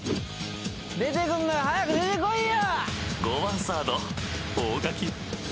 出てくんなら早く出てこいよ！